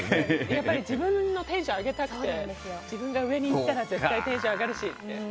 やっぱり自分のテンション上げたくて自分が上にいったら絶対テンション上がるしって。